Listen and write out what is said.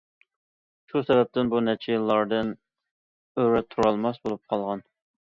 شۇ سەۋەبتىن بۇ نەچچە يىللاردىن ئۆرە تۇرالماس بولۇپ قالغان.